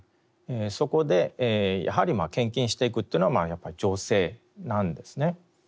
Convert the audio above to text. そこでやはり献金していくというのはやっぱり女性なんですね。